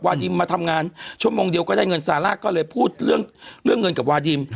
ดิมมาทำงานชั่วโมงเดียวก็ได้เงินซาร่าก็เลยพูดเรื่องเงินกับวาดิม